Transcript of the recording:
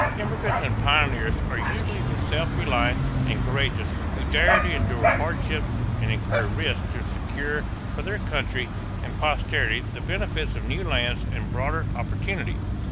Immigrants and pioneers are usually the self reliant and courageous, who dare to endure hardships and incur risks to secure for their country and posterity the benefits of new lands and broader opportunity.